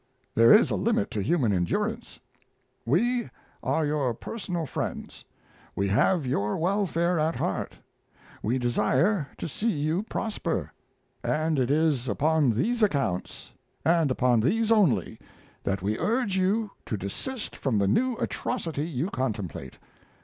There is a limit to human endurance. We are your personal friends. We have your welfare at heart. We desire to see you prosper. And it is upon these accounts, and upon these only, that we urge you to desist from the new atrocity you contemplate.